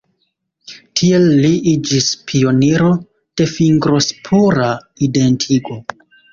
Tiel li iĝis pioniro de fingrospura identigo.